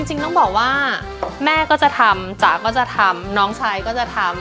จริงต้องบอกว่าแม่ก็จะทำจ๋าก็จะทำน้องชายก็จะทำ